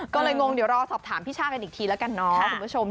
ก็เลยงงเดี๋ยวรอสอบถามพี่ช่ากันอีกทีแล้วกันเนาะคุณผู้ชม